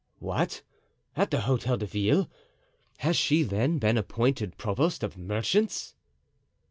"What! at the Hotel de Ville? Has she, then, been appointed provost of merchants?"